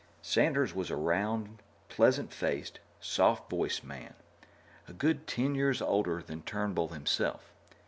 Sanders was a round, pleasant faced, soft voiced man, a good ten years older than Turnbull himself.